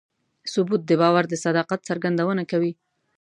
ثبوت د باور د صداقت څرګندونه کوي.